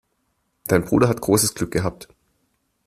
Dein Bruder hat großes Glück gehabt.